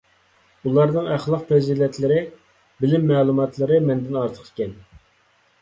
ئۇلارنىڭ ئەخلاق - پەزىلەتلىرى، بىلىم - مەلۇماتلىرى مەندىن ئارتۇق ئىكەن.